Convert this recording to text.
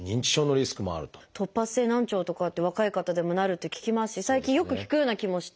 突発性難聴とかって若い方でもなるって聞きますし最近よく聞くような気もして。